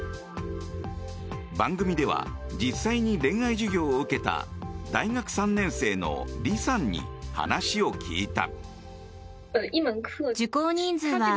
番組では実際に恋愛授業を受けた大学３年生のリさんに話を聞いた。